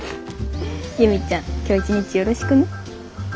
裕美ちゃん今日一日よろしくね。